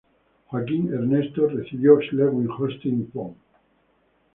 Joaquín Ernesto recibió Schleswig-Holstein-Plön.